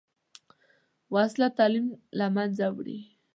وسله تعلیم له منځه وړي